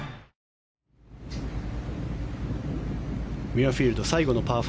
ミュアフィールド最後のパー５。